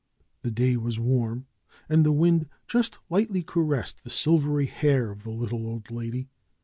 The day was warm, and the wind just lightly caressed the silvery hair of the little old lady.